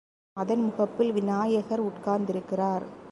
அதன் முகப்பில் விநாயகர் உட்கார்ந்திருக்கிறார்.